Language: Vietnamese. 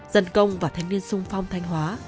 dân công và thanh niên sung phong thanh hóa